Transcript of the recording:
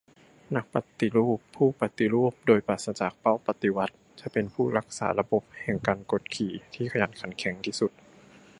นักปฏิรูปผู้ปฏิรูปโดยปราศจากเป้าปฏิวัติ จะเป็นผู้รักษาระบบแห่งการกดขี่ที่ขยันขันแข็งที่สุด